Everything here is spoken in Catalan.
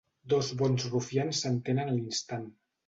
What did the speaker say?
Dos bons rufians s'entenen a l'instant.